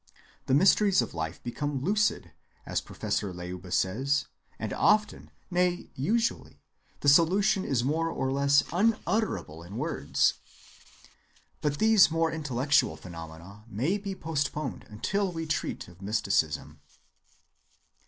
The mysteries of life become lucid, as Professor Leuba says; and often, nay usually, the solution is more or less unutterable in words. But these more intellectual phenomena may be postponed until we treat of mysticism.